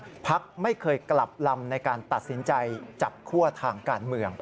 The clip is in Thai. พักไม่เคยกลับลำในการตัดสินใจจับคั่วทางการเมือง